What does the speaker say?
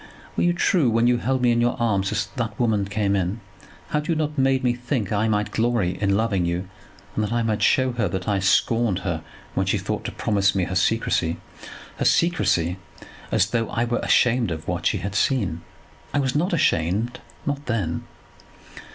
"Were you true when you held me in your arms as that woman came in? Had you not made me think that I might glory in loving you, and that I might show her that I scorned her when she thought to promise me her secrecy; her secrecy, as though I were ashamed of what she had seen. I was not ashamed, not then.